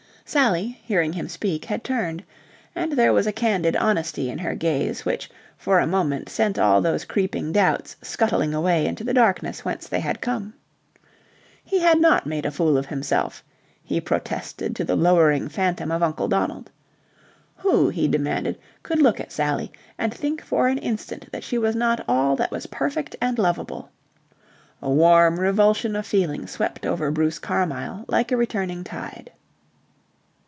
Sally, hearing him speak, had turned. And there was a candid honesty in her gaze which for a moment sent all those creeping doubts scuttling away into the darkness whence they had come. He had not made a fool of himself, he protested to the lowering phantom of Uncle Donald. Who, he demanded, could look at Sally and think for an instant that she was not all that was perfect and lovable? A warm revulsion of feeling swept over Bruce Carmyle like a returning tide.